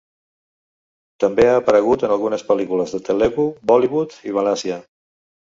També ha aparegut en algunes pel·lícules de Telugu, Bollywood i Malàsia.